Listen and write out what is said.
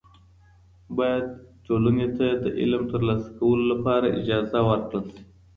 باید ټولني ته د علم تر لاسه کولو اجازه ورکړل سي.